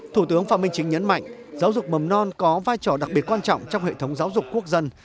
thủ tướng phạm minh chính nhấn mạnh giáo dục mầm non có vai trò đặc biệt quan trọng trong hệ thống giáo dục quốc dân